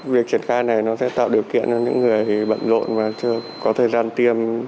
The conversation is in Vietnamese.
việc triển khai này nó sẽ tạo điều kiện cho những người bận rộn và chưa có thời gian tiêm